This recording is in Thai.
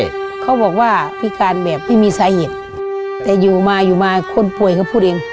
ใช่เขาบอกว่าพิการแบบไม่มีสาเหตุแต่อยู่มาอยู่มาคนป่วยเขาพูดเอง